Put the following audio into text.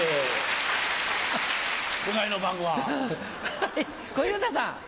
はい小遊三さん。